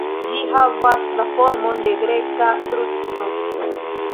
Ĝi havas la formon de Greka kruco.